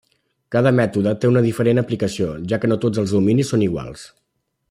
Cada mètode té una diferent aplicació, ja que no tots els dominis són iguals.